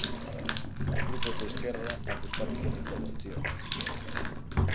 Os grupos de esquerda apostaron pola intervención.